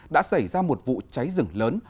đã xảy ra một vụ cháy rừng lớn